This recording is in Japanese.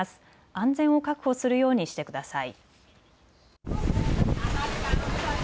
安全を確保するようにしてください。